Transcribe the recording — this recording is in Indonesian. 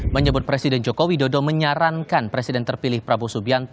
menyebut presiden joko widodo menyarankan presiden terpilih prabowo subianto